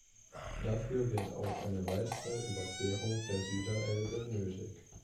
Dafür wird auch eine weitere Überquerung der Süderelbe nötig.